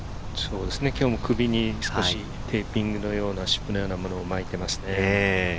今日も首にテーピングのような、湿布のようなものを巻いていますね。